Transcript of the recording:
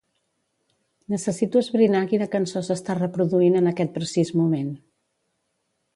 Necessito esbrinar quina cançó s'està reproduint en aquest precís moment.